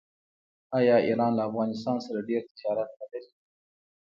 آیا ایران له افغانستان سره ډیر تجارت نلري؟